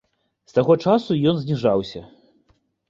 З таго часу ён зніжаўся.